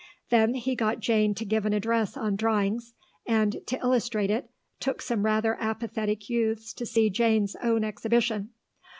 Then he got Jane to give an address on drawings, and, to illustrate it, took some rather apathetic youths to see Jane's own exhibition.